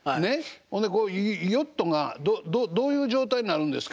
ほんでこうヨットがどういう状態になるんですか？